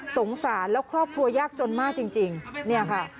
สงสารแล้วครอบครัวยากจนมากจริงเนี่ยค่ะ